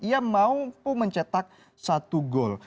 ia mampu mencetak satu gol